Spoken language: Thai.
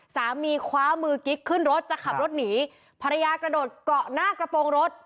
คว้ามือกิ๊กขึ้นรถจะขับรถหนีภรรยากระโดดเกาะหน้ากระโปรงรถ